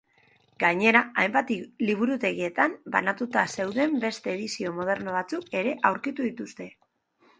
Gainera, hainbat liburutegitan banatuta zeuden beste edizio moderno batzuk ere aurkitu dituzte.